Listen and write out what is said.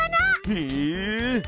へえ。